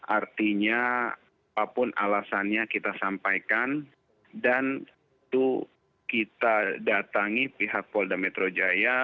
artinya apapun alasannya kita sampaikan dan itu kita datangi pihak polda metro jaya